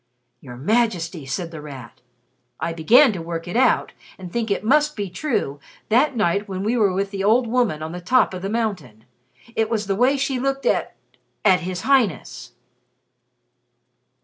"Your Majesty," said The Rat, "I began to work it out, and think it must be true that night when we were with the old woman on the top of the mountain. It was the way she looked at at His Highness."